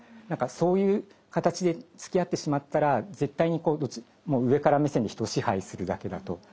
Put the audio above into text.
何かそういう形でつきあってしまったら絶対に上から目線で人を支配するだけだと。